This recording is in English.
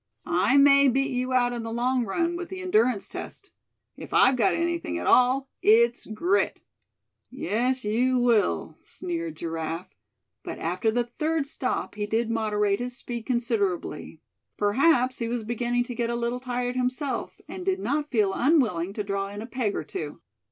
I may beat you out in the long run, with the endurance test. If I've got anything at all, it's grit." "Yes, you will," sneered Giraffe; but after the third stop he did moderate his speed considerably; perhaps he was beginning to get a little tired himself, and did not feel unwilling to draw in a peg or two.